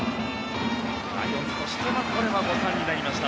ライオンズとしてはこれは誤算になりました。